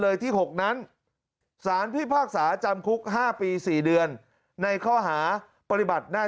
เลยที่๖นั้นสารพิพากษาจำคุก๕ปี๔เดือนในข้อหาปฏิบัติหน้า